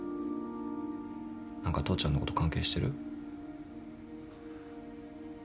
何か父ちゃんのこと関係してる？